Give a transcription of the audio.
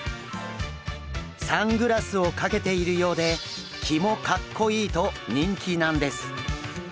サングラスをかけているようでキモカッコイイと人気なんです。